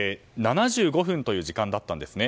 ７５分という時間だったんですね。